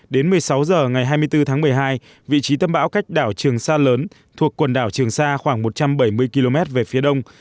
đến một mươi sáu h ngày hai mươi bốn tháng một mươi hai vị trí tâm bão cách đảo trường sa lớn thuộc quần đảo trường sa khoảng một trăm bảy mươi km về phía đông